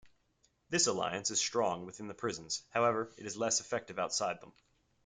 This alliance is strong within the prisons however is less effective outside them.